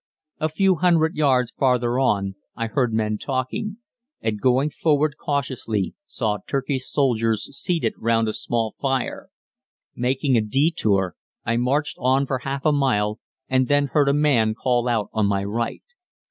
A few hundred yards farther on I heard men talking, and going forward cautiously saw Turkish soldiers seated round a small fire. Making a detour, I marched on for half a mile and then heard a man call out on my right.